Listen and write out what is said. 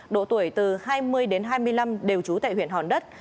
độ tuổi từ hai mươi đến hai mươi năm đều trú tại huyện hòn đất